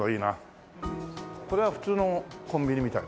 これは普通のコンビニみたい。